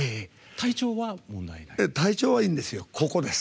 体調はいいんです。